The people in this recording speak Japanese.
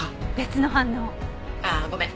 ああごめん。